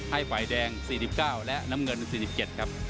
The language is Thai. ให้ฝ่ายแดง๔๙และน้ำเงิน๔๗ครับ